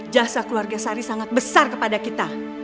jasa keluarga sari sangat besar kepada kita